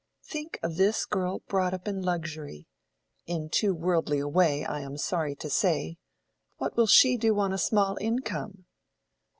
"Think of this girl brought up in luxury—in too worldly a way, I am sorry to say—what will she do on a small income?"